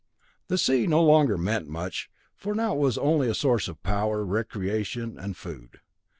The sea no longer meant much, for it was now only a source of power, recreation and food.